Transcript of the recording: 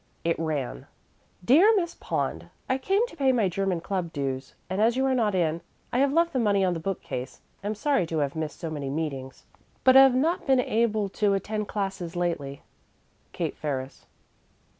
It ran: DEAR MISS POND: I came to pay my German Club dues, and as you are not in, I have left the money on the bookcase. Am sorry to have missed so many meetings, but have not been able to attend classes lately. KATE FERRIS.